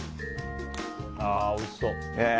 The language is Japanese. おいしそう。